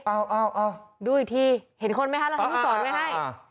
อ้าวดูอีกทีเห็นคนไหมคะเราทั้งคู่จอดไว้ให้